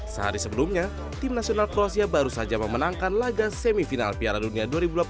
sehari sebelumnya tim nasional kroasia baru saja memenangkan laga semifinal piala dunia dua ribu delapan belas